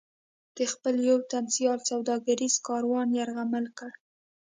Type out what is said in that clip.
د خپل یو تن سیال سوداګریز کاروان یرغمل کړ.